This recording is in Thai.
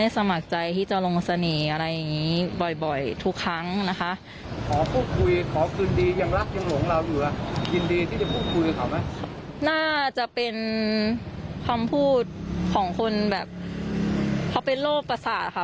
ยินดีที่จะพูดคุยกับเขาไหมน่าจะเป็นความพูดของคนแบบเพราะเป็นโลกประสาทค่ะ